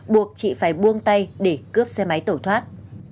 buộc chị phải buông tay để cướp xe máy tẩu thoát